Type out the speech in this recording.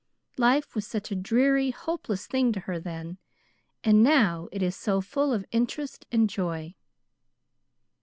Life was such a dreary, hopeless thing to her then; and now it is so full of interest and joy.